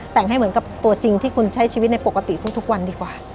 แต่งให้เหมือนกับตัวจริงที่คุณใช้ชีวิตในปกติทุกวันดีกว่า